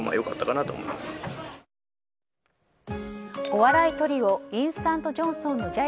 お笑いトリオインスタントジョンソンのじゃ